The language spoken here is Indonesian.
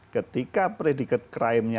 ketika predikat krimnya